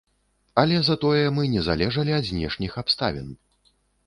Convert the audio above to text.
Але затое мы не залежалі ад знешніх абставін.